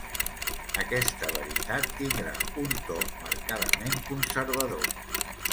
Aquesta veritat tindrà un to marcadament conservador.